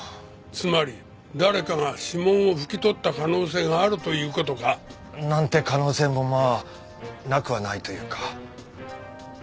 つまり誰かが指紋を拭き取った可能性があるという事か？なんて可能性もまあなくはないというか。